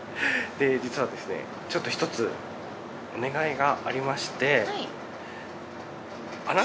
実はですねちょっとひとつお願いがありまして。